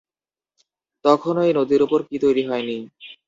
তখনো এই নদীর ওপর কি তৈরি হয়নি?